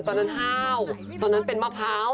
ตอนนั้นห้าวตอนนั้นเป็นมะพร้าว